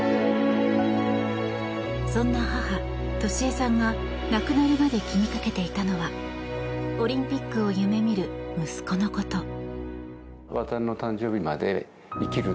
そんな母・俊恵さんが亡くなるまで気にかけていたのはオリンピックを夢見る息子のこと。